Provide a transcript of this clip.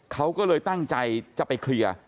เขาก็เลยตั้งใจจะไปเคลียร์